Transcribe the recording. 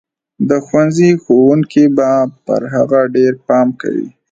د ښوونځي ښوونکي به پر هغه ډېر پام کوي.